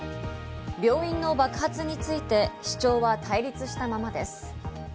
病院の爆発について、主張は対立したままです。